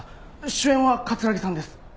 主演は城さんです。